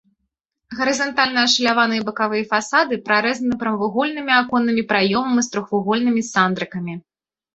Гарызантальна ашаляваныя бакавыя фасады прарэзаны прамавугольнымі аконнымі праёмамі з трохвугольнымі сандрыкамі.